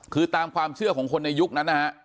คือตามความเชื่อของคนในยุคนั้นนะฮะ